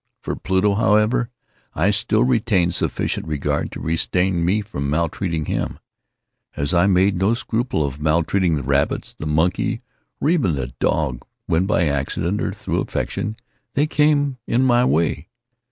For Pluto, however, I still retained sufficient regard to restrain me from maltreating him, as I made no scruple of maltreating the rabbits, the monkey, or even the dog, when by accident, or through affection, they came in my way.